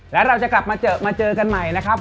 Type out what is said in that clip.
และเราจะกลับมาเจอกันใหม่นะครับ